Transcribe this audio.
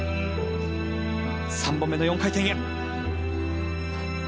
３本目の４回転へ。